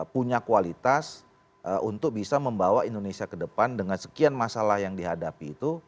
punya kualitas untuk bisa membawa indonesia ke depan dengan sekian masalah yang dihadapi itu